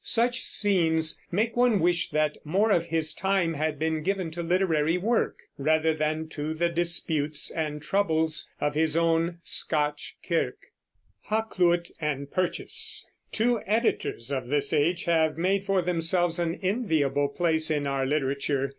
Such scenes make one wish that more of his time had been given to literary work, rather than to the disputes and troubles of his own Scotch kirk. HAKLUYT AND PURCHAS. Two editors of this age have made for themselves an enviable place in our literature.